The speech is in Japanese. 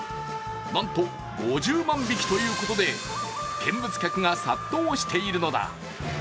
なんと５０万匹ということで見物客が殺到しているのだ。